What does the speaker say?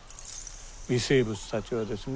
微生物たちはですね